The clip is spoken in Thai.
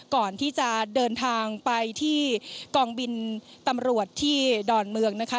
ก่อนที่จะเดินทางไปที่กองบินตำรวจที่ดอนเมืองนะคะ